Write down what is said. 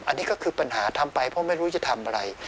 อันนี้ก็คือปัญหาทำไปเพราะไม่รู้จะทำอะไร